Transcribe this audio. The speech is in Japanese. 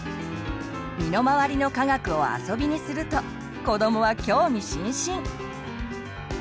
身のまわりの科学をあそびにすると子どもは興味津々！